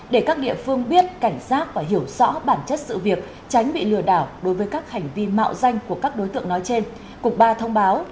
để các địa phương biết cảnh giác và hiểu rõ bản chất sự việc tránh bị lừa đảo đối với các hành vi mạo danh của các đối tượng nói trên cục ba thông báo